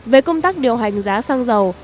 về công tác điều hành giá xăng dầu